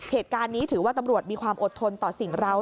เหตุการณ์นี้ถือว่าตำรวจมีความอดทนต่อสิ่งเรา